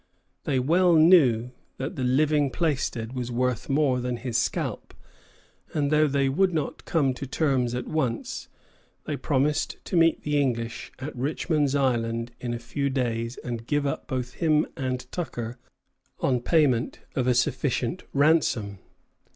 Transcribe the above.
They well knew that the living Plaisted was worth more than his scalp; and though they would not come to terms at once, they promised to meet the English at Richmond's Island in a few days and give up both him and Tucker on payment of a sufficient ransom.